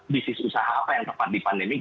bisnis usaha apa yang tepat di pandemi